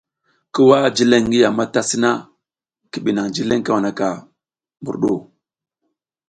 Ki wah jileƞ ngi yam a ta sina, i ɓi naƞ jileƞ kawaka mbur ɗu.